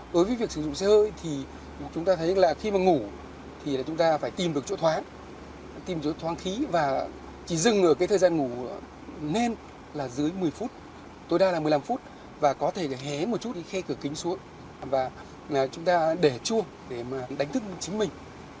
đối với việc sử dụng xe hơi thì chúng ta thấy là khi mà ngủ thì chúng ta phải tìm được chỗ thoáng tìm chỗ thoáng khí và chỉ dừng ở cái thời gian ngủ nên là dưới một mươi phút tối đa là một mươi năm phút và có thể hé một chút khe cửa kính xuống và chúng ta để chuông để mà đánh thức chính mình